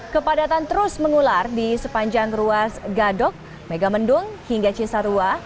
kepadatan terus mengular di sepanjang ruas gadok megamendung hingga cisarua